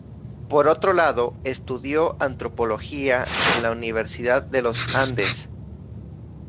Por otro lado, estudió antropología en la Universidad de Los Andes.